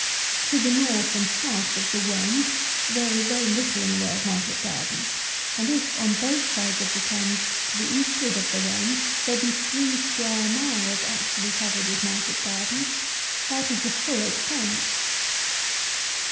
To the north and south of the Wen there is very little in the way of market garden; and if, on both sides of the Thames, to the eastward of the Wen, there be three square miles actually covered with market gardens, that is the full extent.